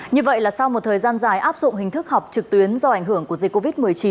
như vậy là sau một thời gian dài áp dụng hình thức học trực tuyến do ảnh hưởng của dịch covid một mươi chín